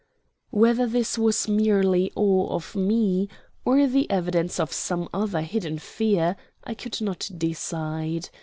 Whether this was merely awe of me, or the evidence of some other hidden fear, I could not decide.